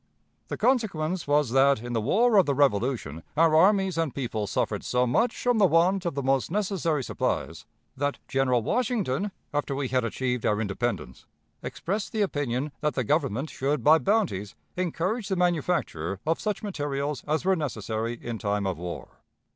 The consequence was that in the War of the Revolution our armies and people suffered so much from the want of the most necessary supplies that General Washington, after we had achieved our independence, expressed the opinion that the Government should by bounties, encourage the manufacture of such materials as were necessary in time of war.